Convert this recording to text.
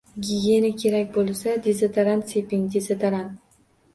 — Gigiena kerak bo‘lsa... dezodorant seping, dezodorant!